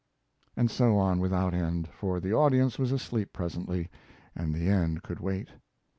And so on without end, for the audience was asleep presently and the end could wait.